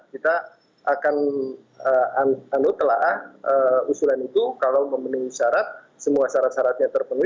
kita akan telah usulan itu kalau memenuhi syarat semua syarat syaratnya terpenuhi